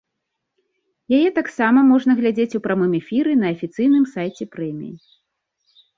Яе таксама можна глядзець у прамым эфіры на афіцыйным сайце прэміі.